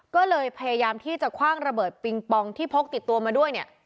ก็เลยพยายามที่จะคว่างระเบิดปิงปองที่พกติดตัวมาด้วยเนี่ย